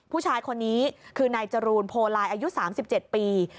ผู้ชายคนนี้คือนายจรูนโพลายอายุ๓๗ปี